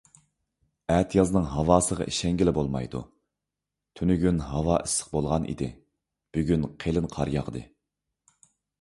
ئەتىيازنىڭ ھاۋاسىغا ئىشەنگىلى بولمايدۇ. تۈنۈگۈن ھاۋا ئىسسىق بولغان ئىدى، بۈگۈن قېلىن قار ياغدى.